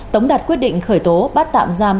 tống đạt quyết định khởi tố bắt tạm giam